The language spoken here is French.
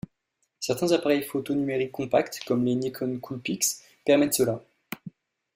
Certains appareils photo numériques compacts comme les Nikon Coolpix permettent cela.